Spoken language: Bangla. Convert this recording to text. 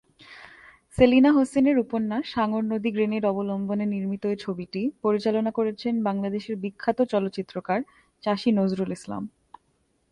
সেলিনা হোসেন এর উপন্যাস "হাঙর নদী গ্রেনেড" অবলম্বনে নির্মিত এই ছবিটি পরিচালনা করেছেন বাংলাদেশের বিখ্যাত চলচ্চিত্রকার চাষী নজরুল ইসলাম।